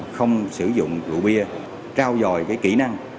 không sử dụng rượu bia trao dòi cái kỹ năng